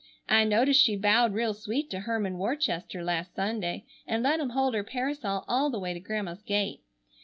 I noticed she bowed real sweet to Hermon Worcester last Sunday and let him hold her parasol all the way to Grandma's gate.